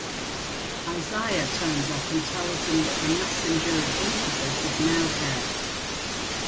Isaiah turns up and tells them that the messenger of incubus is now dead.